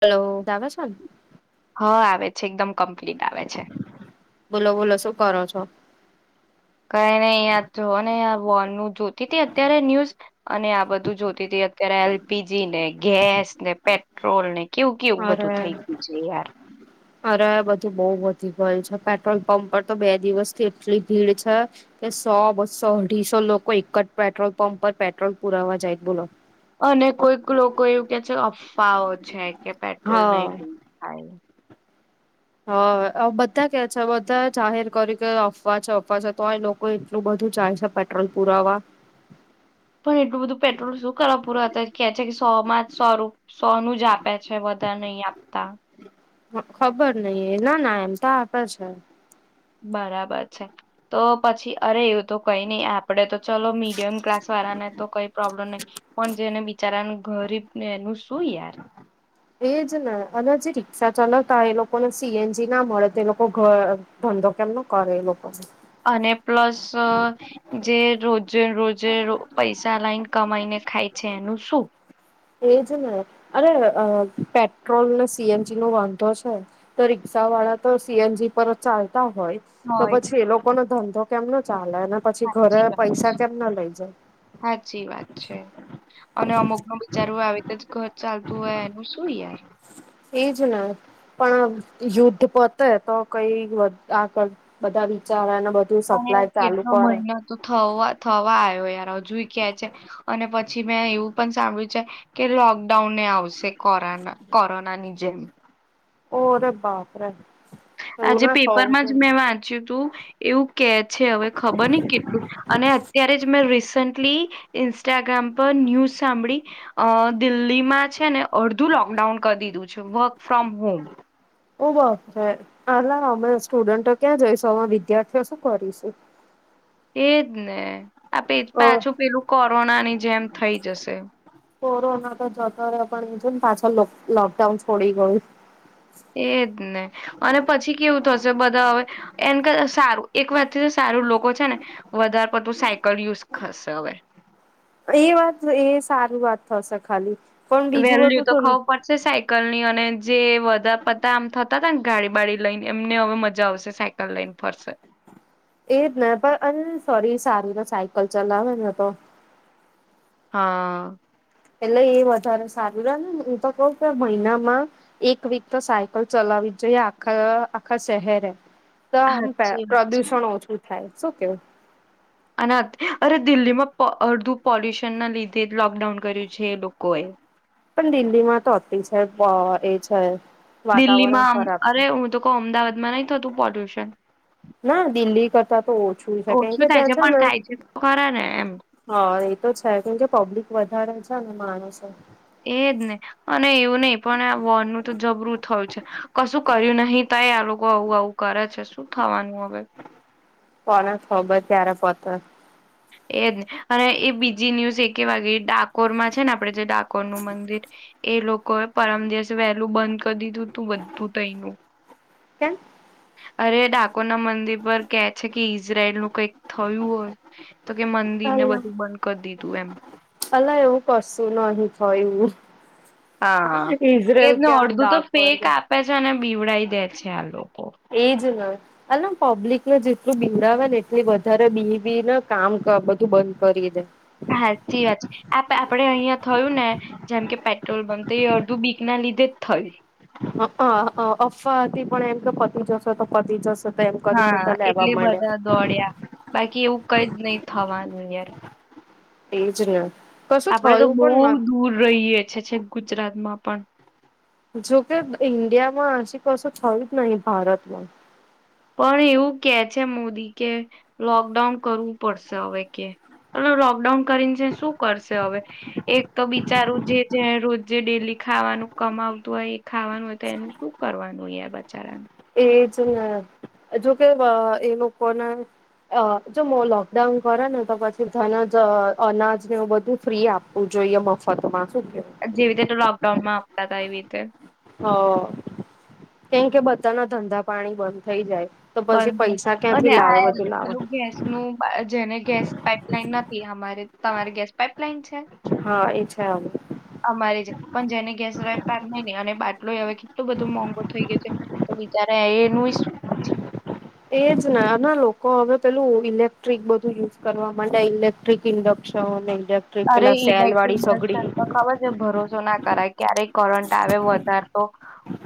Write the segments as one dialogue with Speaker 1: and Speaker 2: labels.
Speaker 1: Hello. આવે છે ને
Speaker 2: હા આવે છે એકદમ કમ્પ- કેમ્પ્લેટ આવે છે.
Speaker 1: બોલો બોલો શું કરો છો?
Speaker 2: કઈ નઈ યાર જોઓ ને યાર વોરનું જોતી તી અત્યારે ન્યૂઝ અને આ બધું જોતી હતી અત્યારે એલ પી જી ને, ગેસ ને, પેટ્રોલ ને કેવું કેવું બધું થઈ
Speaker 1: અરે
Speaker 2: ગયું છે. યાર.
Speaker 1: અરે બધું બઉ વધી ગયું છે. પેટ્રોલ પંપ પર તો બે દિવસથી એટલી ભીડ છે કે સો બસો અઢીસો લોકો એક જ પેટ્રોલ પંપ પર પેટ્રોલ પુરાવા જાય છે બોલો.
Speaker 2: અને કોઈક લોકો એવું કે છે પાવો છે. કે પેટ્રોલ નહી [inaudible] થાય.
Speaker 1: હ હવે બધા કે છે બધા જાહેર કર્યું કે અફવા છે અફવા છે તોય લોકો એટલું બધું જાય છે પેટ્રોલ પુરાવા.
Speaker 2: પણ એટલું બધું પેટ્રોલ શું કરવા પૂરું અત્યારે કે છે કે સો માં જ સો રૂ સો નું જ આપે છે વધારે નહી આપતા.
Speaker 1: ખબર નહીં. એ ના ના એમ તો આપે છે.
Speaker 2: બરાબર છે તો પછી અરે એવું તો કઈ ની આપણે તો. ચલો મીડિયમ ક્લાસ વાળાને તો કઈ પ્રોબ્લેમ નહીં પણ જેને બી બચારાનું ગરીબ ને એનું શું યાર.
Speaker 1: એ જ ને અને જે રિક્ષા ચાલવતા એ લોકોને સી એન જી ના મળે તો લોકો ઘ ધંધો કેમ નો કરે એ લોકો.
Speaker 2: અને પ્લસ અ જે રોજે રોજે પૈસા લાઇન કમાઈને ખાય છે એનું શું?
Speaker 1: એ જ ને અરે અહ પેટ્રોલ ને સી એન જી નો વાંધો છે. તો રિક્ષા વાળા તો સી એન જી પર ચાલ ચાલતા હોય તો
Speaker 2: હોય
Speaker 1: પછી એ લોકો નો ધંધો તો કેમનો ચા ચાલે અને પછી ઘરે
Speaker 2: સાચી વાત
Speaker 1: પૈસા
Speaker 2: છે.
Speaker 1: કેમ ના લઈ જાય.
Speaker 2: સાચી વાત છે અને અમુકનું બિચારું આવી રીતે જ ઘર ચાલતું હોય એનું શું યાર.
Speaker 1: એ જ ને. પણ યુદ્ધ પોતે તો કઈ આગળ બધા વિચાર એના
Speaker 2: પણ યાર કેટલો મહિનો તો થવ થવા આવ્યો યાર હજુય કેહ છે અને પછી. પછી મેં એવું પણ સાંભળ્યું છે કે લોકડાઉનને આવશે કોરો કોરોનાની જેમ.
Speaker 1: ઓ રે બાપરે એવું
Speaker 2: આજે
Speaker 1: ના થવું
Speaker 2: પેપરમાં જ
Speaker 1: જોઈએ
Speaker 2: મેં વાંચ્યું હતું એવું કે છે હવે ખબર ને કેટલું અને અત્યારે જ મેં રિસેન્ટલી. ઇન્સ્ટાગ્રામ પર ન્યૂઝ સાંભળી અહહ દિલ્હીમાં છે ને અડધું લોકડાઉન કરી દીધું છે વર્ક ફ્રોમ હોમ.
Speaker 1: ઓહ બાપરે અલા અમે સ્ટુડન્ટો ક્યાં જઈશું? અમે વિદ્યાર્થીઓ શું કરીશું?
Speaker 2: એ જ ને. આ [unintelligible]
Speaker 1: અ
Speaker 2: પાછું પેલું કોરોનાની જેમ થઈ જશે.
Speaker 1: કોરોના તો જતો રહ્યો પણ જોને પાછળ લોકડાઉન છોડી ગયું.
Speaker 2: એજ ને અને પછી કેવું થશે બધા હવે. એ સારું એક વાતથી તો સારું લોકો છે ને વધારે પડતું સાયકલ યુઝ કરશે હવે.
Speaker 1: એ વાત એ સારુ વાત થશે ખાલી. પણ બીજું
Speaker 2: વેલ્યુ
Speaker 1: બધું
Speaker 2: તો
Speaker 1: શું
Speaker 2: ખવું પડશે સાયકલ ની અને. જે બધા પતા આમ થતા હતા ને ગાડી બાાડી લઈને એમને હવે મજા આવશે સાયકલ લઈને ફરશે.
Speaker 1: એજ ને પણ અન સોરી સારુ સાયકલ ચલાવે ને તો.
Speaker 2: હા.
Speaker 1: એટલે એ વધારે સારું રહે ને હું તો કઉ કે મહિનામાં એક વીક તો સાયકલ ચલાવી જ જોઈએ આખા આખા શહેરે. તો આમ પ્ર
Speaker 2: સાચી વાત
Speaker 1: પ્રદૂષણ ઓછું. થાય શું કેવું.
Speaker 2: અના અ દિલ્હીમાં અડધું. પોલ્યુશન ના લીધે જ લોકડાઉન કર્યું છે લોકોએ.
Speaker 1: પણ દિલ્હી માં તો અતિ છે એ છે. વાતાવરણ
Speaker 2: દિલ્હીમાં
Speaker 1: ખરાબ
Speaker 2: અરે હું તો કહ અમદાવાદમાં નહી થતું પોલ્યુશન
Speaker 1: ના દિલ્હી કરતા તો ઓછું છે કેમકે
Speaker 2: ઓછું થાય
Speaker 1: ત્યાં છે
Speaker 2: પણ થાય છે તો ખરા ને એમ
Speaker 1: હા એ તો છે કેમકે પબ્લિક વધારે. [unintelligible]
Speaker 2: એજ ને. એવું નહી પણ આ વોન નું તો જબરું થયું છે. કશું કર્યું નહી તાય આ લોકો આવું આવું કરે છે શું થવાનું હવે.
Speaker 1: કોના ખબર ત્યારે પતે
Speaker 2: એજને અને એ બીજી ન્યુઝ એક વાગે ડાકોર માં છે ને આપે. ડાકોર નું મંદિર એ લોકો. કોઈ પરમ દિવસે વહેલું બંધ કરી દીધું તું બધું ત્યનું
Speaker 1: કેમ
Speaker 2: અરે ડાકોરના મંદિર પર કે છે કે ઈઝરાયલનું કઈક થયું હોય તો કે મંદિરને
Speaker 1: અલા
Speaker 2: બધું બંધ કરી દીધું એમ
Speaker 1: અલા એવું કરશું નહિ થયું.
Speaker 2: હા હા એ
Speaker 1: ઈઝરાયલ
Speaker 2: જને
Speaker 1: કે આમ
Speaker 2: અડધું તો
Speaker 1: ડાકર
Speaker 2: ફેક
Speaker 1: કે
Speaker 2: આપે છે ને બીવડાઈ દે છે આ લોકો
Speaker 1: એજ ન અ લ પબ્લિકે જેટલું બીવડાવે ને એટલી વધારે બીય બી ને કામ ક બધું બંધ કરી દે
Speaker 2: હાચી વાત છે આપ આપડે અહિયાં થયું ને જેમ કે પેટ્રોલ બન તો એ અડધું બીક ના લીધે જ થયું.
Speaker 1: અ અ અફવાથી પણ એમ તો પતી જશે તો પતી જશ
Speaker 2: હા એટલે બધા દોડ્યા બાકી એવું કઈ જ નઈ થવાનું યાર
Speaker 1: એજ ને કશું
Speaker 2: આપડે તો
Speaker 1: થયું
Speaker 2: બઉ
Speaker 1: પણ ના
Speaker 2: દૂર રહીએ છે છે ગુજરાતમાં પણ
Speaker 1: જોકે ઈન્ડિયામાં હસી કસો થયું જ નહી ભારતમાં
Speaker 2: પણ એવું કે છે મોદી કે લોકડાઉન કરવું પડશે હવે કે [unintelligible] લોકડાઉન કરીને છે શું કરશે હવે એક તો બિચારું જે જે રોજે ડેલી ખાવાનું કમાવતું હોય એ ખાવાનું હોય તો એનું શું કરવાનું હોય એ
Speaker 1: એજ ને અઝુ કે વ એ લોકોને અ જો મ લોકડાઉન કરે ને તો પછી ધનાજ અનાજને એવુ બધું ફ્રી આપવું જોઈએ મફતમાં. શું કેવું
Speaker 2: એક જેવી રીતે લોકડાઉનમાં [unintelligible] વીતે
Speaker 1: હ કેમ કે બધાના ધંધા પાણી બંધ થઈ જાય. તો પછી
Speaker 2: બંધ થઈ
Speaker 1: પૈસા ક્યાંથી
Speaker 2: અને
Speaker 1: લાવે
Speaker 2: આ
Speaker 1: બધું લાવે
Speaker 2: પેલું ગેસ નું જેને ગેસ પાઈપલાઈન ન થી અમારે તમારી ગેસ પાઇપલાઇન છે?
Speaker 1: હા એ છે.
Speaker 2: અમારે છે પણ જેને ગેસ [unintelligible] ની ને અને બાટલો એવે કેટલું બધું મોંઘો થઈ ગયો છે તો બિચારે એ નુ ઈ શું? [inaudible]
Speaker 1: એજ નાના લોકો હવે પેલું ઇલેક્ટ્રિક બધું યુઝ કરવા માટે ઇલેક્ટ્રિક ઇન્ડક્શન ને
Speaker 2: અરે ઇલેક્ટ્રિક ઇન્ડક્શન તો ખબર છે ભરોસો ના ક કરાય. ક્યારેય કરંટ આવે વધાર તો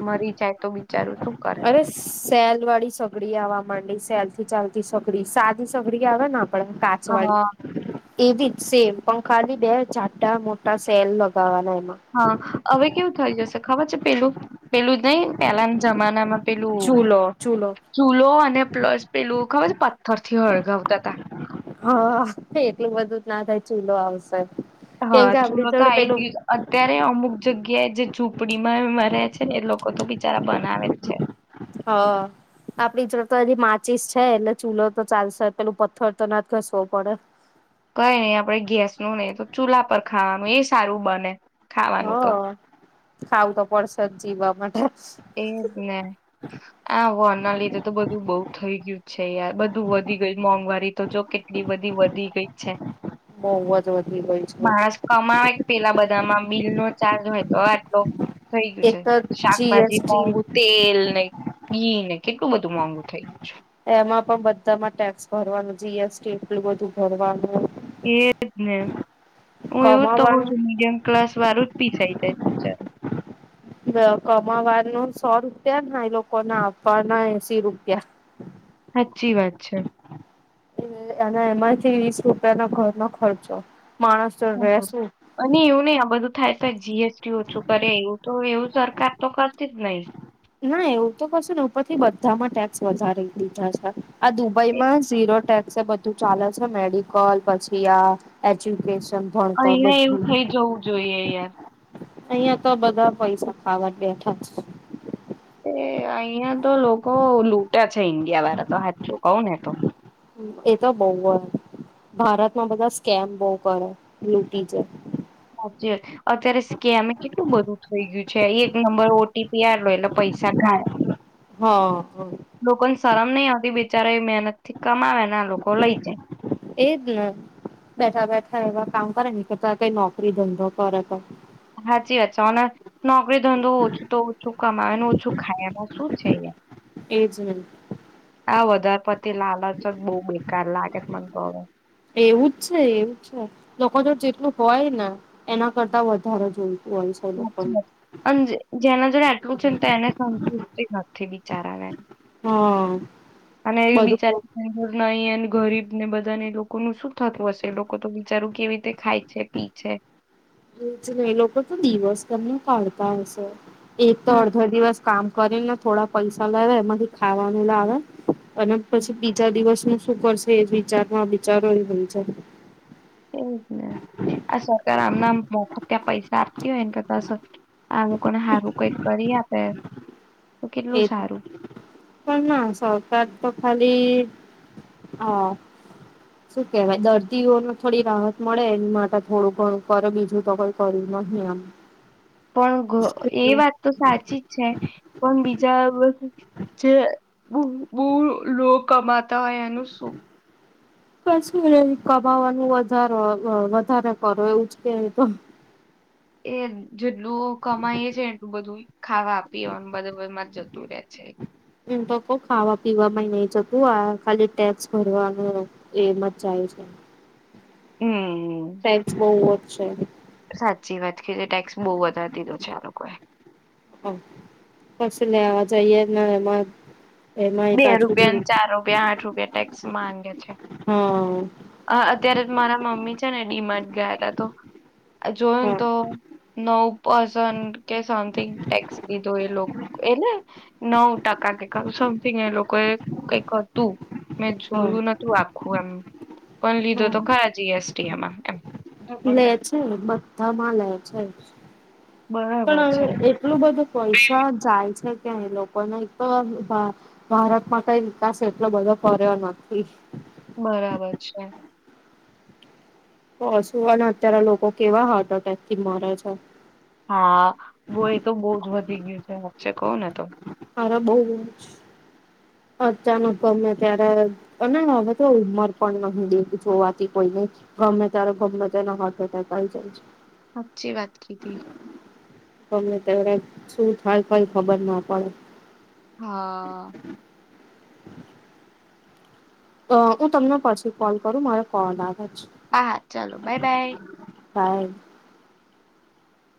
Speaker 2: મરી જાય તો બિચારું શું કરે
Speaker 1: અરે સ સેલ વાળી સગડી આવા માંડી સેલ થી ચાલતી સગડી સાદી સગડી આવેન પણ
Speaker 2: હા
Speaker 1: કાચવાળી એવી જ સેમ પણ ખાલી બે ઝાટા મોટા સેલ લગાવાના.
Speaker 2: હા હવે કેવું થઈ જશે. ખબર છે પેલું પેલું જ નઈ પેલાના જમાનામાં. પેલું
Speaker 1: ચૂલો ચૂલો
Speaker 2: ચૂલો અને પ્લસ પેલું ખબર છે. તરથી હળગાવતા કાક.
Speaker 1: હા એટલું બધું જ ના થાય ચૂલો આવશે. કેમ
Speaker 2: હા
Speaker 1: કે
Speaker 2: ચૂલો
Speaker 1: આપડી
Speaker 2: તો
Speaker 1: જોડે
Speaker 2: આઈ
Speaker 1: પેલું
Speaker 2: ગયું અત્યારે અમુક. જગ્યાએ જે ઝૂંપડીમાં રે છે ને એ લોકો તો બિચારા બનાવે જ છે.
Speaker 1: હ આપડી જોડે તો હજી માચીસ છે એટલે ચૂલો તો ચાલશે પેલું પથ્થર તો ના ઘસવો પડે.
Speaker 2: કઈ નહી આપે ગેસ ન નહી તો ચૂલા પર ખાવાનું એ સારું બને.
Speaker 1: હ.
Speaker 2: ખાવાનું તો
Speaker 1: ખાવુ તો પડશે જ જીવવા માટે.
Speaker 2: એજ ને આ વોર ના લીધે તો બધું બઉુ થઈ ગયું છે યાર બધું વધી ગઈ મોંઘવારી તો જો કેટલી બધી વધી ગઈ છે.
Speaker 1: બહુ જ વધી ગયું છે
Speaker 2: માણસ કમાવે પેલા બ આમાં બિલ નો ચાર્જ હોય તો આ આટલો. થઈ ગયું
Speaker 1: એક
Speaker 2: છે
Speaker 1: તો
Speaker 2: શાક. ભાજી
Speaker 1: જીએસટી
Speaker 2: મોંઘુ તેલ નહી. ઈ કેટલું બધું મોઘુ થઈ ગુ છે.
Speaker 1: એમાં પણ બધામાં ટેક્સ ભરવાનું જી એસ ટી એટલું બધું ભરવાનું
Speaker 2: એ જ ને. હું એવું જ તો કઉ
Speaker 1: કમાવાનું
Speaker 2: છું મીડિયમ ક્લાસ વાળું જ પી થઈ જાય પિચર.
Speaker 1: ક કમાવાનું સો રૂપિયા એ લોકોને આપવાના એશી રૂપિયા.
Speaker 2: સાચી વાત છે.
Speaker 1: એના એમાંથી વીસ રૂપિયાનો ઘરનો ખર્ચો. માણસ તો રહેશું
Speaker 2: અને એવું નહી આ બધું થાય તો જી એસ ટી ઓછું કરે એવું તો એવું સરકાર તો કરતી જ નહી.
Speaker 1: ના એવું તો કશું ને ઉપરથી બધામાં ટેક્સ વધારી દીધા છે. આ દુબઈમાં ઝીરો ટેક્ બધું ચાલે છે મેડિકલ પછી, આ એજ્યુકે
Speaker 2: અહિયાં એવું થઇ જવું જોઈએ યાર.
Speaker 1: અહિયાં તો બધા પૈસા ખાવટ બેઠા છે.
Speaker 2: એ અહિયાં તો લોકો લૂટ્યા છે ઈન્ડિયા વાળા તો હા કઉ ને તો.
Speaker 1: એ તો બવ હોય ભારતમાં બધા સ્કેમ બવ કરે લૂટી જાય.
Speaker 2: સાચી વાત છે અત્યારે સ્કેમે કેટલું બધું થઈ ગયું છે એક નંબર ઓટીપી આલ્યો એટલે પૈસા ઘાટ.
Speaker 1: હા હા
Speaker 2: લોકોને સારમ નહી આવતી બે બેચાર મહેનત થી કમાવે ને આ લોકો લઈ જાય.
Speaker 1: એજ ને બેઠા બેઠા એવા કામ કરે ને કરતા કઈ નોકરી ધંધો કરે તો.
Speaker 2: હાચી વાત ચાના નોકરી ધંધો ઓછું તો. ઓછું કમાવે અને ઓછું ખાય એમાં શું છે.
Speaker 1: એજ ને
Speaker 2: આ વધારે પતિ લાલ જ બહુ બેકાર લાગે મને તો હવે.
Speaker 1: એવું જ છે એવું છે લોકો જો જેટલું હોય ને એના કરતા વધારે જોએ.
Speaker 2: અન જેના જેન એટલું છે ને તો એને સંતુષ્ટિ નથી બિચારાને.
Speaker 1: હા,
Speaker 2: એ
Speaker 1: બધું.
Speaker 2: બિચારા અહી અને ગરીબ ને બધા ને લોકોનું શું થતું હશે લોકો તો વિચારું કેવી રીતે ખાય છે, પી છે.
Speaker 1: એ જ ને એ લોકો તો દિવસ તમને કાઢતા હશે. એક તો
Speaker 2: હમ
Speaker 1: અડધો દિવસ કામ કરી ને થોડા પૈસા લાવે એમાંથી ખાવાનું લાવે અને
Speaker 2: હમ
Speaker 1: પછી બીજા દિવસનું શું કરશે એ જ વિચારમાં વિચારો એ વિચારે.
Speaker 2: એજ ને આ સરકાર આમના મોત ત્યાં પૈસા આપતી હોય ને કરતા આ લોકોને સારું કઈક કરી આપે તો કેટલું
Speaker 1: એ
Speaker 2: સારું
Speaker 1: પણ ના સરકાર તો ખાલી હા શું કેહેવાય દર્દીઓને થોડી રાહત મળે એ માટે થોડું ઘણું કરે બીજું તો કોઈ કર્યું નહી એમ.
Speaker 2: પણ અ એ વાત તો સાચી જ છે પણ બીજ [unintelligible] જે બૂ લો લો કમાતા હોય એનું શું.
Speaker 1: કશી કમાવાનું વધાર વધારે કરો એવું જ કેયે એતો.
Speaker 2: એજ ને. જેટલું કમાય છે એટલું બધું. ખાવા પીવાનું બધમાં [unintelligible] જતું રે છે.
Speaker 1: [unintelligible] તો ખાવા પીવા નહી જકું આ ખાલી ટેક્સ ભરવાનું એમ જ જાય છે.
Speaker 2: હમ
Speaker 1: ટેસ્ટ બહ છે.
Speaker 2: સાચી વાત કધી ટેક્સ બહુ વધારિ દીધો છે આ લોકોએ.
Speaker 1: હ પસી લેવા જઈ એ ના એમાં. એમાં
Speaker 2: બે
Speaker 1: પાછું
Speaker 2: રૂપિયાને ચાર રૂપિયા આઠ રૂપિયા ટક. માંગે. છે
Speaker 1: હા
Speaker 2: અત્યારે મારા મમ્મી છે ને ડીમાં જ ગયા હતા તો. આ જોયે ને
Speaker 1: હા
Speaker 2: તો નવ. પસન કે સમથિંગ ટેક્સ લીધો એ લોકો એને નવ ટકા કે ક એ લોકો એ કઈક હતું. મેં
Speaker 1: હા
Speaker 2: જોયું નતું આખું એમ. પન લીધો તો ખરા જીએસ. [unintelligible]
Speaker 1: ને છે બધા મા લે છે.
Speaker 2: બરાબર
Speaker 1: પણ
Speaker 2: છે
Speaker 1: એટલું બધું પૈસા જાય છે. ક્યાં એ લોકોને એક તો ભા ભારતમાં કઈ વિકાસ એટલો બધો કર્યો નથી.
Speaker 2: બરાબર છે.
Speaker 1: પશુ અને અત્યારે લોકો કેવા હાર્ટ એટેક થી મરે છે.
Speaker 2: હા બો એ તો બહ જ વધી ગયું છે વાશે કહું ને તો.
Speaker 1: હાર બોજ. અચાનક ગમે ત્યારે અને હવે તો ઉમર પણ ન બે જોવાતી કોઈ ન ગમે ત્યારે ગમે તેને હ થઈ જાય છે.
Speaker 2: હાચી વાત કીધી.
Speaker 1: તમે ત્યારે શું થાય કોઈ ખબર ના પડે.
Speaker 2: હા
Speaker 1: અ હું તમને પરસે કોલ કરું મારે કોલ આવ જ.
Speaker 2: હા ચાલો બાય બાય.
Speaker 1: બાય.